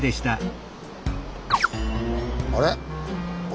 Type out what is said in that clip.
あれ？